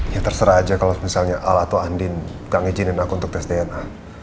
ya terserah aja kalo misalnya al atau andin gak ngijinin aku untuk tes dna